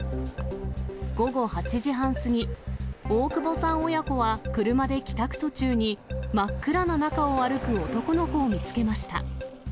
午後８時半過ぎ、大窪さん親子は車で帰宅途中に、真っ暗な中を歩く男の子を見つけました。